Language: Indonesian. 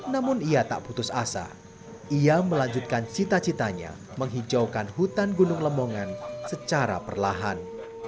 namun ia tak putus asa ia melanjutkan cita citanya menghijaukan hutan gunung lemongan secara perlahan